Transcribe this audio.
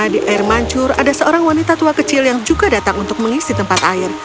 di air mancur ada seorang wanita tua kecil yang juga datang untuk mengisi tempat air